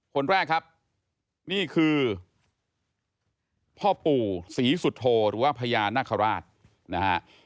คนแรกครับนี่คือพ่อปู่ศรีสุโธหรือว่าพญานาคาราชนะฮะ